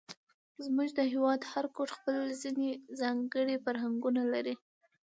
زموږ د هېواد هر ګوټ خپل ځېنې ځانګړي فرهنګونه لري،